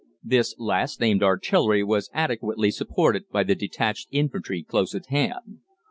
This last named artillery was adequately supported by the detached infantry close at hand.